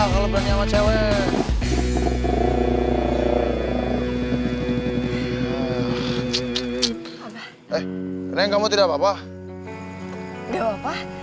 kalau pada naga ceweg